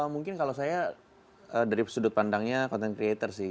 mungkin kalau saya dari sudut pandangnya content creator sih